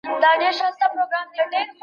هغوی تېره اونۍ د سولي په اړه غونډه کوله.